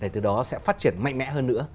từ đó sẽ phát triển mạnh mẽ hơn nữa